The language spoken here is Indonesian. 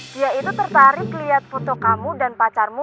dia itu tertarik lihat foto kamu dan pacarmu